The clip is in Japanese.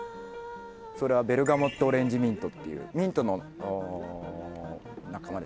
それはベルガモットオレンジミントっていうミントの仲間ですね。